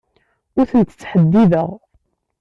Ur tent-ttḥeddideɣ.